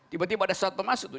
tiba tiba ada sesuatu masuk tuh